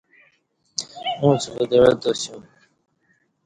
اُنڅ ودعہ تاسیوم